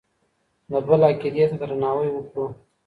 د بل عقيدې ته درناوی وکړو.